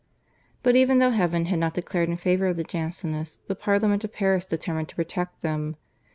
But even though heaven had not declared in favour of the Jansenists the Parliament of Paris determined to protect them.